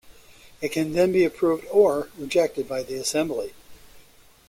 It can then be approved or rejected by the Assembly.